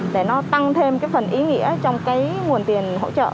để nó tăng thêm cái phần ý nghĩa trong cái nguồn tiền hỗ trợ